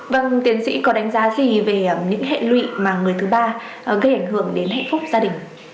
vâng tiến sĩ có đánh giá gì về những hệ lụy mà người thứ ba gây ảnh hưởng đến hệ phúc gia đình